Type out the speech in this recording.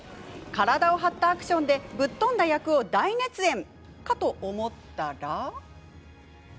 体を張ったアクションでぶっ飛んだ役を大熱演かと思ったら。